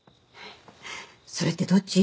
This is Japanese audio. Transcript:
それってどっち？